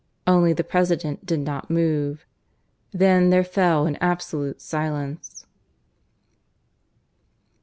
Only the President did not move. Then there fell an absolute silence.